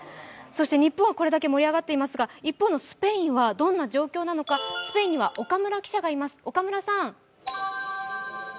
日本はこれだけ盛り上がっていますが一方のスペインはどんな状況なのか、スペインには岡村記者がいます。